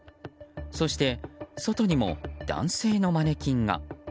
そして、外にも男性のマネキンが。